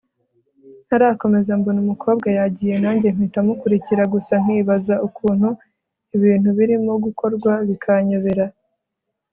ntarakomeza mbona umukobwa yagiye nanjye mpita mukurikira gusa nkibaza ukuntu ibintu birimo gukorwa bikanyobera